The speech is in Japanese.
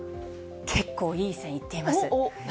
結構いい線いっています。